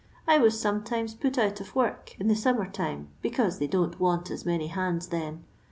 I was sometimes put out of work in the ^ summer time, because they don't want as many i hands then.